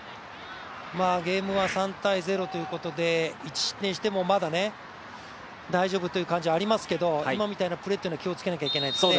ゲームは３−０ということで、１失点してもまだ大丈夫という感じはしますけど今みたいなプレーというのは気をつけないといけないですね。